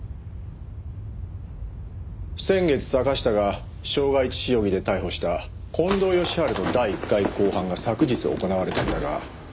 先月坂下が傷害致死容疑で逮捕した近藤義治の第１回公判が昨日行われたんだが。